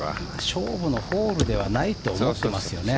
勝負のホールではないと思ってますよね。